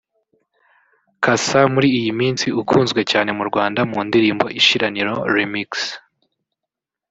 Cassa muri iyi minsi ukunzwe cyane mu Rwanda mu ndirimbo ‘Ishiraniro remix’